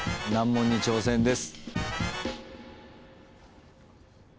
難問に挑戦です。